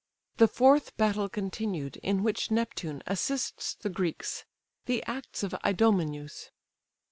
THE FOURTH BATTLE CONTINUED, IN WHICH NEPTUNE ASSISTS THE GREEKS: THE ACTS OF IDOMENEUS.